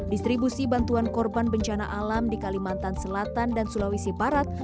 distribusi bantuan korban bencana alam di kalimantan selatan dan sulawesi barat